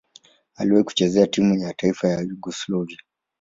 Aliwahi kucheza timu ya taifa ya Yugoslavia.